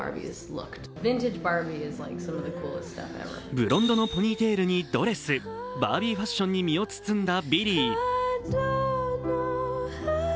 ブロンドのポニーテールにドレスバービーファッションに身を包んだビリー。